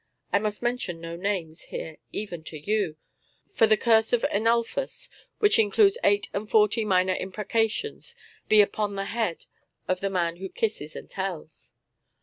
I must mention no names here even to you; for the curse of Ernulphus, which includes eight and forty minor imprecations, be upon the head of the man who kisses and tells.